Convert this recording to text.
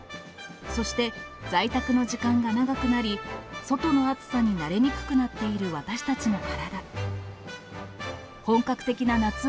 そして、在宅の時間が長くなり、外の暑さに慣れにくくなっている私たちの体。